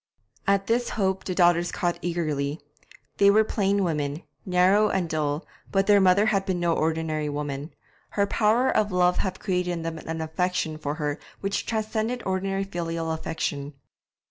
At this hope the daughters caught eagerly. They were plain women, narrow and dull, but their mother had been no ordinary woman; her power of love had created in them an affection for her which transcended ordinary filial affection.